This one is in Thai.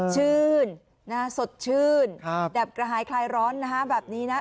ชื่นสดชื่นดับกระหายคลายร้อนนะฮะแบบนี้นะ